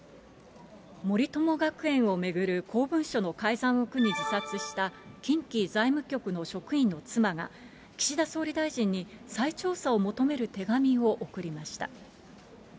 森友学園を巡る公文書の改ざんを苦に自殺した、近畿財務局の職員の妻が、岸田総理大臣に、再調査を求める手紙を送りました。